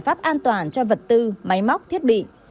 phạt tội có tổ chức